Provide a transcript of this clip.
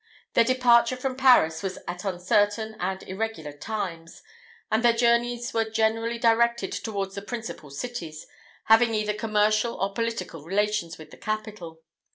Their departure from Paris was at uncertain and irregular times; and their journeys were generally directed towards the principal cities, having either commercial or political relations with the capital.